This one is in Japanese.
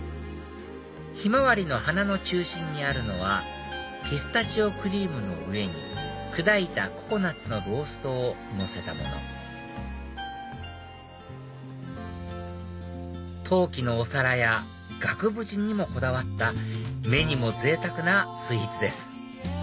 ヒマワリの花の中心にあるのはピスタチオクリームの上に砕いたココナツのローストをのせたもの陶器のお皿や額縁にもこだわった目にもぜいたくなスイーツです